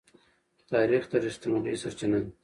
تاریخ د رښتینولۍ سرچینه ده.